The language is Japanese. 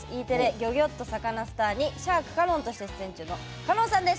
「ギョギョッとサカナ★スター」にシャーク香音さんとして出演中の香音さんです。